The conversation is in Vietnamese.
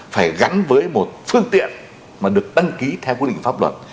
phải gắn với một phương tiện mà được ân ký theo quy định pháp luật